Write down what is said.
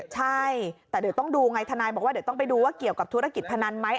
ใช่แต่เดี๋ยวต้องดูไงทนายบอกว่าเดี๋ยวต้องไปดูว่าเกี่ยวกับธุรกิจพนันไหม